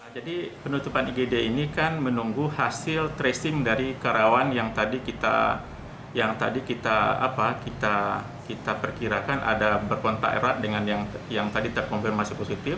jadi penutupan igd ini kan menunggu hasil tracing dari karawan yang tadi kita perkirakan ada berkontak erat dengan yang tadi terkonfirmasi positif